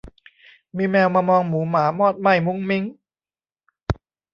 มีแมวมามองหมูหมามอดไหม้มุ้งมิ้ง